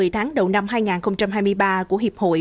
một mươi tháng đầu năm hai nghìn hai mươi ba của hiệp hội